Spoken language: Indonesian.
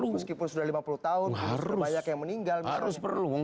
meskipun sudah lima puluh tahun